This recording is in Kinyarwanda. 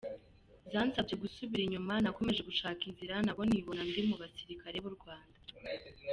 Zansabye gusubira inyuma, nakomeje gushaka inzira nabwo nibona ndi mu basirikare b’u Rwanda.